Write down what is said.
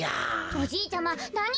おじいちゃまなに？